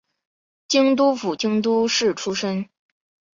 京都府京都市出身。